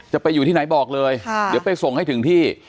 จะไปอยู่ที่ไหนบอกเลยเดี๋ยวไปส่งให้ถึงที่